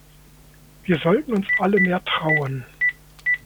Wir sollten uns alle mehr trauen.